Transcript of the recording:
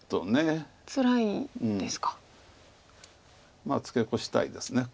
まあツケコしたいです。